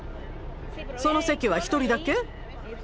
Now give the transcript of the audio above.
その席は１人だけ？